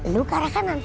lo ke arah kanan